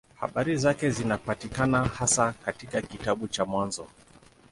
Habari zake zinapatikana hasa katika kitabu cha Mwanzo.